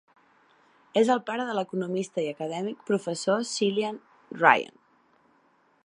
És el pare de l'economista i acadèmic Professor Cillian Ryan.